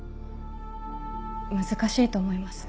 難しいと思います。